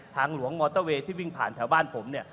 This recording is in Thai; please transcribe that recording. ทางหลวงมอเตอร์เวย์ที่วิ่งผ่านแถวบ้านผมเนี่ย